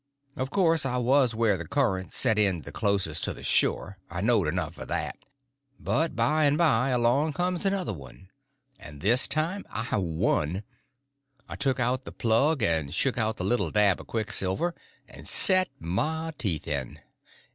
Of course I was where the current set in the closest to the shore—I knowed enough for that. But by and by along comes another one, and this time I won. I took out the plug and shook out the little dab of quicksilver, and set my teeth in.